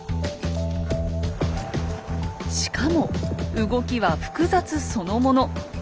しかも動きは複雑そのもの。